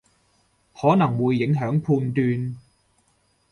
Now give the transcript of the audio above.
可能會影響判斷